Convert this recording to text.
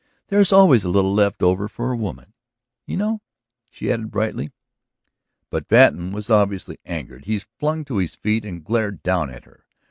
There's always a little left over for a woman, you know," she added brightly. But Patten was obviously angered. He flung to his feet and glared down at her.